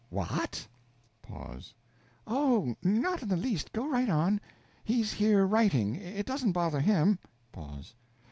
What? Pause. Oh, not in the least go right on. He's here writing it doesn't bother him. Pause.